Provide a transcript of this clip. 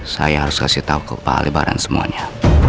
saya harus kasih tau ke pak alibaran semuanya